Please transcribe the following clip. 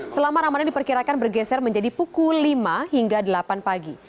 selama ramadan diperkirakan bergeser menjadi pukul lima hingga delapan pagi